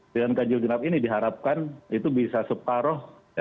dengan ganjil genap ini diharapkan itu bisa separoh